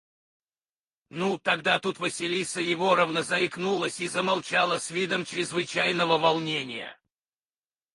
– Ну, тогда… – Тут Василиса Егоровна заикнулась и замолчала с видом чрезвычайного волнения.